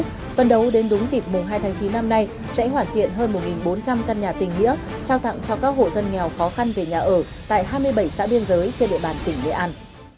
phần đấu đến đúng dịp mùng hai tháng chín năm nay sẽ hoàn thiện hơn một bốn trăm linh căn nhà tình nghĩa trao tặng cho các hộ dân nghèo khó khăn về nhà ở tại hai mươi bảy xã biên giới trên địa bàn tỉnh nghệ an